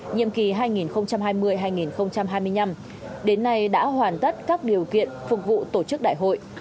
nhiệm kỳ hai nghìn hai mươi hai nghìn hai mươi năm đến nay đã hoàn tất các điều kiện phục vụ tổ chức đại hội